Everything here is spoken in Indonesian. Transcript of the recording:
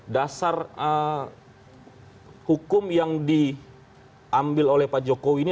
dasar hukum yang diambil oleh pak jokowi ini